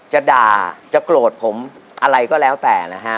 จะด่าจะโกรธผมอะไรก็แล้วแต่นะฮะ